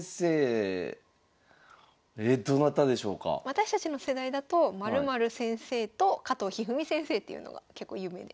私たちの世代だと○○先生と加藤一二三先生っていうのが結構有名で。